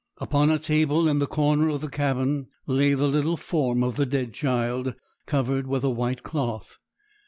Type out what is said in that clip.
Upon a table in the corner of the cabin lay the little form of the dead child, covered with a white cloth.